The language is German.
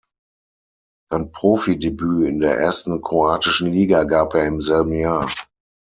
Sein Profidebüt in der ersten kroatischen Liga gab er im selben Jahr.